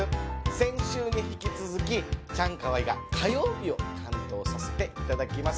先週に引き続きチャンカワイが火曜日を担当させていただきます。